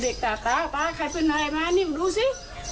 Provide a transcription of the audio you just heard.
เด็กตาตายไหมตายไหมป่าวขายไม่ได้ม่านี่เพราะนุ้ยดูสิ